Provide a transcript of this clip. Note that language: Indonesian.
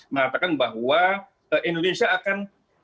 mengatakan bahwa indonesia akan